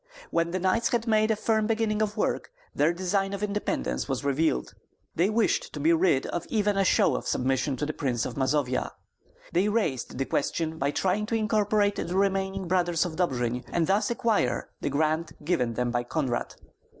When the knights had made a firm beginning of work, their design of independence was revealed. They wished to be rid of even a show of submission to the Prince of Mazovia. They raised the question by trying to incorporate the remaining Brothers of Dobjin, and thus acquire the grant given them by Konrad.